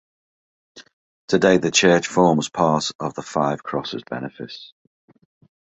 Today the church forms part of the Five Crosses benefice.